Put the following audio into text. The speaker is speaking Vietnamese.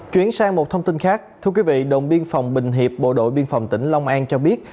chuyển sang một thông tin khác đồng biên phòng bình hiệp bộ đội biên phòng tỉnh long an cho biết